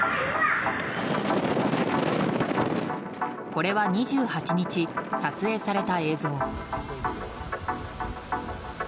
これは２８日、撮影された映像。